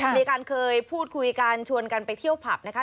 มีการเคยพูดคุยกันชวนกันไปเที่ยวผับนะคะ